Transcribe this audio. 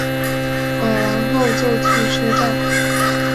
买完后就去车站